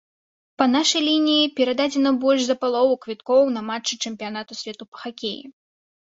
Па нашай лініі прададзена больш за палову квіткоў на матчы чэмпіянату свету па хакеі.